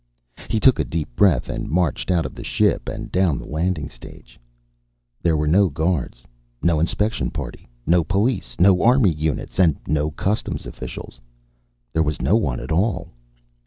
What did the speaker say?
He took a deep breath and marched out of the ship and down the landing stage. There were no guards, no inspection party, no police, no army units and no customs officials. There was no one at all.